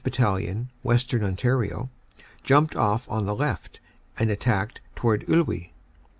Battalion, Western Ontario, jumped off on the left and attacked towards Iwuy.